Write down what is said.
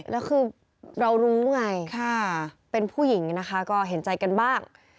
แล้วคือเรารู้ไงเป็นผู้หญิงนะคะก็เห็นใจกันบ้าง